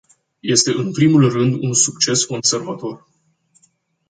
Este în primul rând un succes conservator.